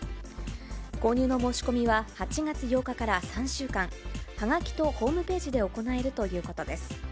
購入の申し込みは８月８日から３週間、はがきとホームページで行えるということです。